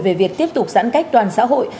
về việc tiếp tục giãn cách toàn xã hội